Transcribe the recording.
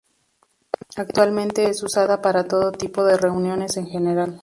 Actualmente es usada para todo tipo de reuniones en general.